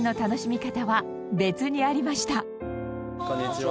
こんにちは。